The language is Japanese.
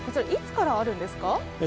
いつからあるんですか？